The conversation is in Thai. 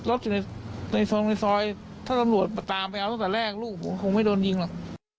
โอ้โฮคงไม่โดนยิงหรอก